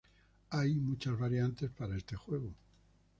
Hay muchas variantes para este juego.